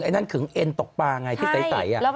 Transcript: อันนั้นขึงเอ็นตกปลาง่ายที่ไต๋